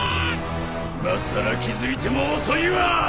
いまさら気付いても遅いわ！